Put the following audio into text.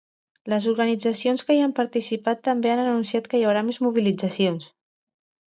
Les organitzacions que hi han participat també han anunciat que hi haurà més mobilitzacions.